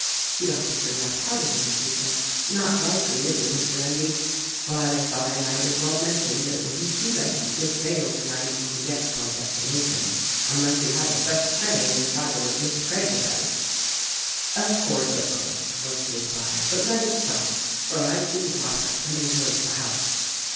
The officer laughed heartily as he said: "Not likely is it, Mr. Endy? But I thought I might as well mention that it will be too late to give bail tonight, when we get to our destination — unless you have a special train and travel as Mr. Craggie does." "Of course, of course," was the reply; "but let us start, for I see Robert coming towards the house."